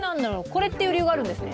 これって理由があるんですね。